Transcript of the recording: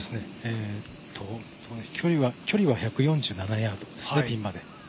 距離は１４７ヤード、ピンまで。